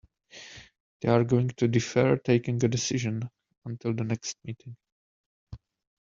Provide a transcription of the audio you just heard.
They are going to defer taking a decision until the next meeting.